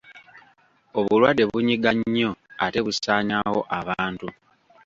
Obulwadde bunyiga nnyo ate busaanyaawo abantu.